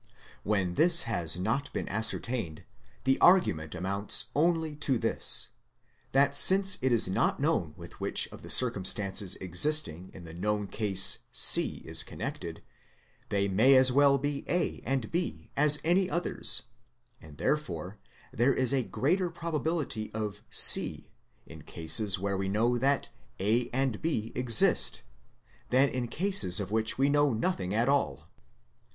When this has not been ascertained, the argument amounts only to this, that since it is not known with which of the circumstances existing in the known MARKS OF DESIGN IN NATURE 169 case C is connected, they may as well be A and B as any others ; and therefore there is a greater probability of C in cases where we know that A and B exist, than in cases of which we know nothing at all.